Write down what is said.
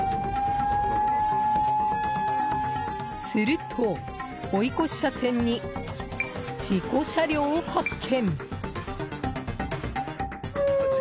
すると、追い越し車線に事故車両を発見。